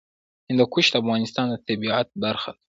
هندوکش د افغانستان د طبیعت برخه ده.